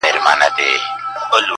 یوه ورځ لاري جلا سوې د یارانو؛